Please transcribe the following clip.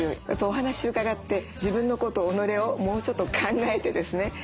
やっぱお話伺って自分のこと己をもうちょっと考えてですね